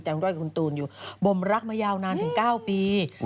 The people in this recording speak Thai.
ด้อยกับคุณตูนอยู่บ่มรักมายาวนานถึง๙ปี